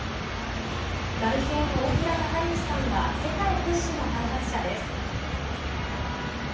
代表の大平貴之さんは世界屈指の開発者です。